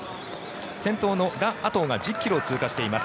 先頭のラ・アトウが１０ｋｍを通過しています。